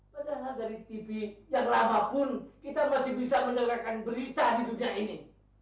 sedangkan dari tv yang lama pun kita masih bisa mendengarkan berita di dunia ini